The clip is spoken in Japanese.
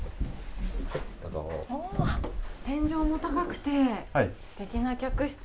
天井も高くて、すてきな客室。